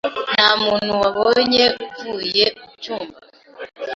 Ntamuntu wabonye avuye mucyumba.